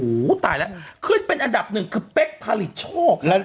โอ้โหตายแล้วขึ้นเป็นอันดับหนึ่งคือเป๊กผลิตโชค